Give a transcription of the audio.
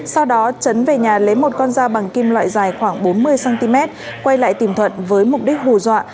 sau đó chấn về nhà lấy một con dao bằng kim loại dài khoảng bốn mươi cm quay lại tìm thuận với mục đích hù dọa